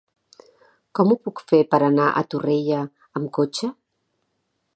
Com ho puc fer per anar a Torrella amb cotxe?